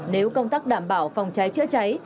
nếu công tác đảm bảo phòng cháy chữa cháy